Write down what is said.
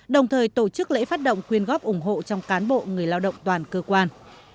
đồng thời tổ chức lễ phát động quyên góp ủng hộ trong cán bộ người lao động toàn cơ quan